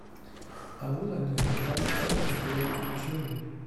I would like to hear lastfm play journey.